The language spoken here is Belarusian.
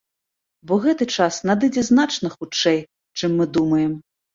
Бо гэты час надыдзе значна хутчэй, чым мы думаем.